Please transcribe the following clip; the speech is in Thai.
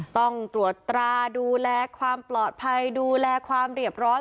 ต้องตรวจตราดูแลความปลอดภัยดูแลความเรียบร้อย